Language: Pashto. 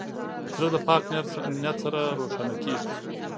زړه د پاک نیت سره روښانه کېږي.